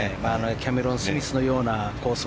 キャメロン・スミスのようなコース